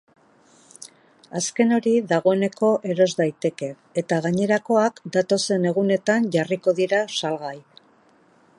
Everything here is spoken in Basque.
Azken hori dagoeneko eros daiteke eta gainerakoak datozen egunetan jarriko dira salgai.